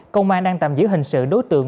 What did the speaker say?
công an đang tạm giữ hình sự đối tượng